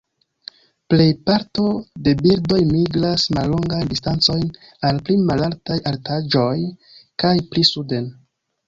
Plej parto de birdoj migras mallongajn distancojn al pli malaltaj altaĵoj kaj pli suden.